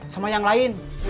sama yang lain